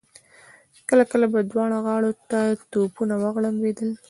کله کله به دواړو غاړو ته توپونه وغړمبېدل.